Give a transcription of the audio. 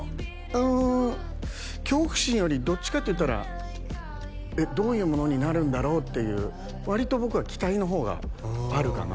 うん恐怖心よりどっちかっていったらどういうものになるんだろうっていう割と僕は期待の方があるかな